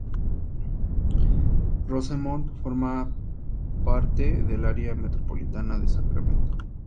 Rosemont forma parte del área metropolitana de Sacramento.